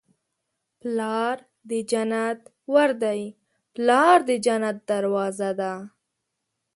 پلار د جنت ور دی. پلار د جنت دروازه ده